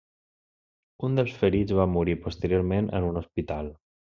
Un dels ferits va morir posteriorment en un hospital.